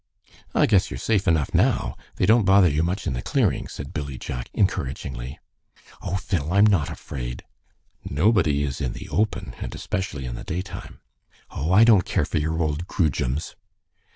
"I guess you're safe enough now. They don't bother you much in the clearing," said Billy Jack, encouragingly. "Oh, fiddle! I'm not afraid." "Nobody is in the open, and especially in the daytime." "Oh, I don't care for your old groojums."